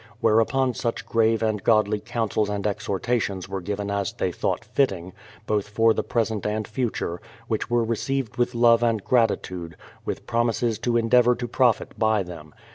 Whereupon such grave and godly counsels and exhortations were given as they thought fitting, both for thelpresent and future, which were received with love and gratitude, with promises to endeavour to profit by them.